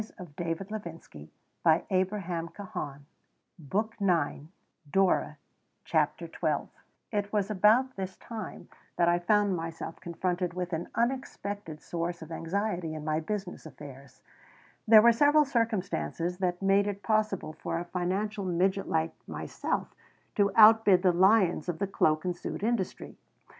My inside pocket was always full of all sorts of clippings CHAPTER XII It was about this time that I found myself confronted with an unexpected source of anxiety in my business affairs. There were several circumstances that made it possible for a financial midget like myself to outbid the lions of the cloak and suit industry.